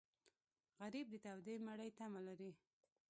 غریب د تودې مړۍ تمه لري